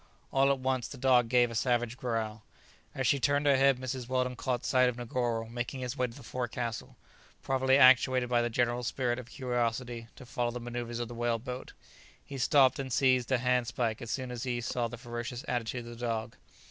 All at once the dog gave a savage growl. As she turned her head, Mrs Weldon caught sight of Negoro making his way to the forecastle, probably actuated by the general spirit of curiosity to follow the maneuvers of the whale boat. He stopped and seized a handspike as soon as he saw the ferocious attitude of the dog.